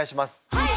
はい！